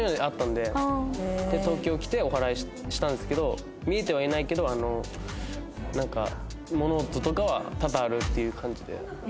で東京来ておはらいしたんですけど見えてはいないけどなんか物音とかは多々あるっていう感じで。